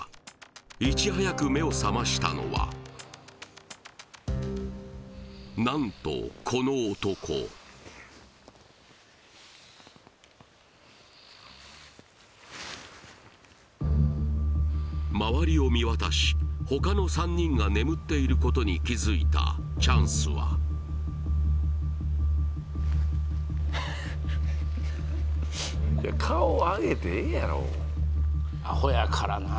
いち早く目を覚ましたのは何とこの男まわりを見渡し他の３人が眠っていることに気づいたチャンスは顔は上げてええやろアホやからなあ